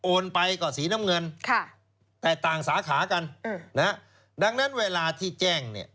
ไปก็สีน้ำเงินค่ะแต่ต่างสาขากันดังนั้นเวลาที่แจ้งเนี่ย